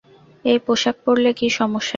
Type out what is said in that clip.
এই পোশাক পরলে কী সমস্যা?